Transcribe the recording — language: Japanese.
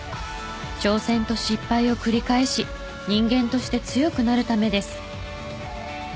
挑戦と失敗を繰り返し人間として強くなるためです。